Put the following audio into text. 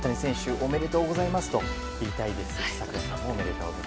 おめでとうございますと言いたいですね。